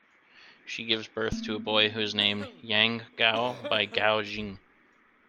She gives birth to a boy, who is named "Yang Guo" by Guo Jing.